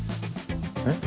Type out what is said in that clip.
えっ？